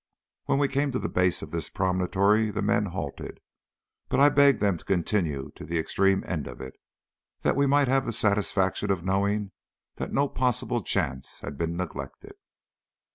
When we came to the base of this promontory, the men halted, but I begged them to continue to the extreme end of it, that we might have the satisfaction of knowing that no possible chance had been neglected.